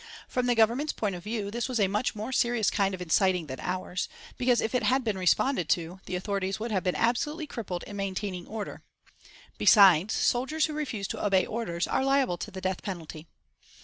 From the Government's point of view this was a much more serious kind of inciting than ours, because if it had been responded to the authorities would have been absolutely crippled in maintaining order. Besides, soldiers who refuse to obey orders are liable to the death penalty.